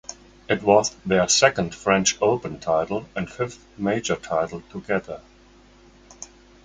It was their second French Open title and fifth major title together.